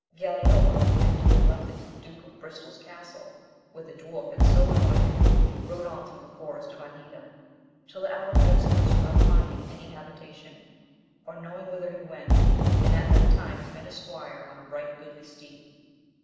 Galaor, after he had left the Duke of Bristol's castle, where the dwarf had so annoyed him, rode on through the forest of Amida till the hour of vespers without finding any habitation, or knowing whither he went, and at that time he met a squire on a right goodly steed.